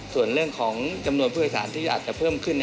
ส่วนเรื่องของจำนวนผู้โดยสารที่อาจจะเพิ่มขึ้น